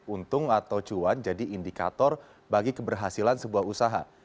untung atau cuan jadi indikator bagi keberhasilan sebuah usaha